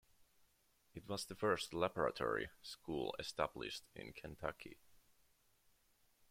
It was the first laboratory school established in Kentucky.